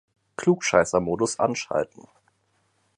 Klugscheissermodus anschalten.